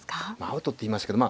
アウトって言いましたけど